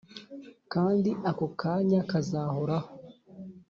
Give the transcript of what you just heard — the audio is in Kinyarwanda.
kandi ako kanya kazahoraho.